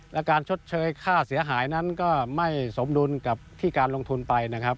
และการชดเชยค่าเสียหายนั้นก็ไม่สมดุลกับที่การลงทุนไปนะครับ